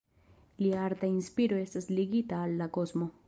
Lia arta inspiro estas ligita al la kosmo.